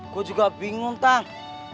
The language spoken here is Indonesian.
gue juga bingung tang